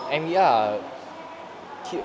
em nghĩ là